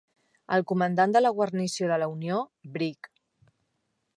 El comandant de la guarnició de la Unió, Brig.